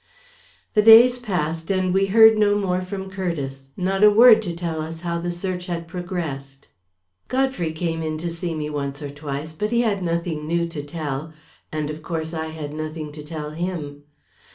The days passed, and we heard no more from Curtiss, not a word to tell us how the search had progressed. Godfrey came in to see me once or twice, but he had nothing new to tell; and of course I had nothing to tell him.